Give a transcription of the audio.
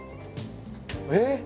えっ？